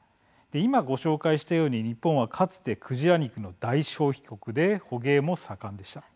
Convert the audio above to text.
今、ご紹介したように日本はかつてクジラ肉の大消費国で捕鯨も盛んでした。